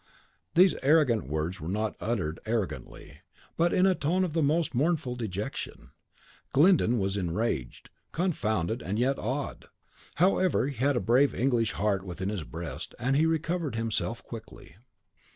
These arrogant words were not uttered arrogantly, but in a tone of the most mournful dejection. Glyndon was enraged, confounded, and yet awed. However, he had a brave English heart within his breast, and he recovered himself quickly.